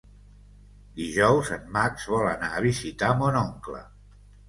Dijous en Max vol anar a visitar mon oncle.